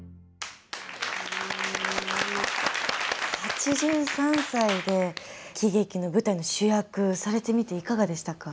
８３歳で喜劇の舞台の主役されてみていかがでしたか？